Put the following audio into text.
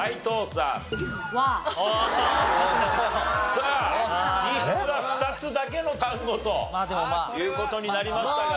さあ実質は２つだけの単語という事になりましたが。